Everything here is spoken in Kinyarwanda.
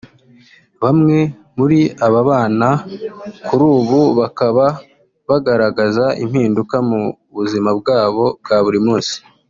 Bamwe muri aba bana kuri ubu bakaba bagaragaza impinduka mu buzima bwabo bwa buri munsi